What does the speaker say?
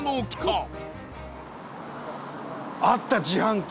伊達：あった、自販機。